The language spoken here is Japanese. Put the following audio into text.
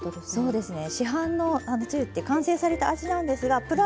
そうですね。